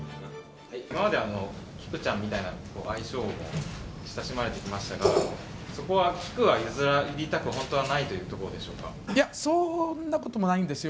今までキクちゃんみたいな愛称で、親しまれてきましたが、そこは、きくは譲りたく、いや、そんなこともないんですよ。